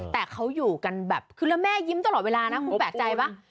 แต่เขาอยู่กันแบบคือแล้วแม่ยิ้มตลอดเวลานะคุณแปลกใจป่ะ